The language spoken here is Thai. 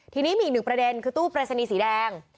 ทีนี้มีอีกหนึ่งประเด็นคือตู้ปรายศนีย์สีแดง